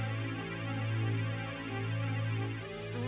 oh itu orangnya